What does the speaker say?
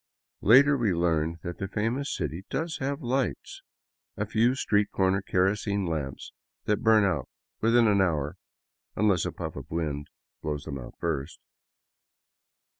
Later we learned that the famous city does have lights, — a few street corner kerosene lamps that burn out within an hour, unless a puff of wind blows them out first.